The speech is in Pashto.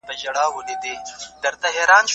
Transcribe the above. څنګه ځايي بڼوال تازه میوه هند ته لیږدوي؟